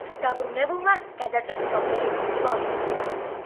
დაბრუნებულებმა გადაწვეს სოფელი დვაბზუ.